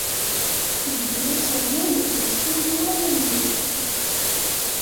Ldi aseɣwen deg usfaylu amaynut.